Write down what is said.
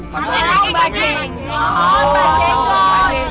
pak jenggot pak jenggot